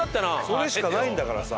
それしかないんだからさ。